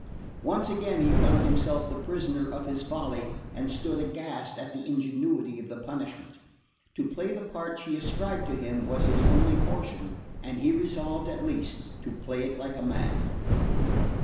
Once again he found himself the prisoner of his folly, and stood aghast at the ingenuity of the punishment. To play the part she ascribed to him was his only portion; and he resolved at least to play it like a man.